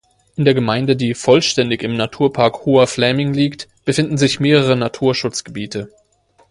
In der Gemeinde, die vollständig im Naturpark Hoher Fläming liegt, befinden sich mehrere Naturschutzgebiete.